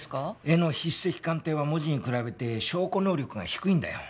絵の筆跡鑑定は文字に比べて証拠能力が低いんだよ。